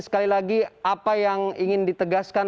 sekali lagi apa yang ingin ditegaskan